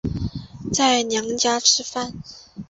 在娘家吃饭